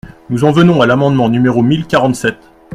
Nous en venons à l’amendement numéro mille quarante-sept.